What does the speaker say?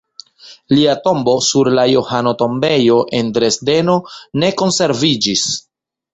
Lia tombo sur la Johano-Tombejo en Dresdeno ne konserviĝis.